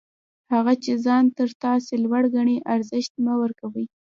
هغه چي ځان تر تاسي لوړ ګڼي، ارزښت مه ورکوئ!